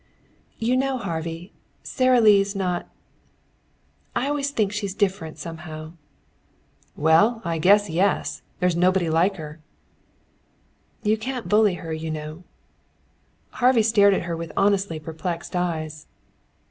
"You know, Harvey, Sara Lee's not I always think she's different, somehow." "Well, I guess yes! There's nobody like her." "You can't bully her, you know." Harvey stared at her with honestly perplexed eyes.